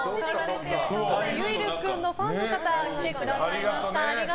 結流君ファンの方来てくださいました。